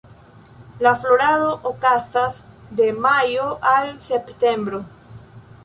La florado okazas de majo al septembro.